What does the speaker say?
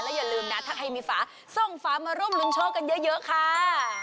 อย่าลืมนะถ้าใครมีฝาส่งฝามาร่วมรุนโชคกันเยอะค่ะ